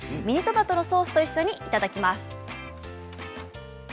ミニトマトのソースと一緒にいただきます。